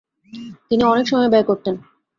তিনি অনেক সময় ব্যয় করতেন।